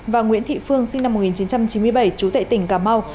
và nguyễn thị phương sinh năm một nghìn chín trăm chín mươi bảy trú tại tỉnh cà mau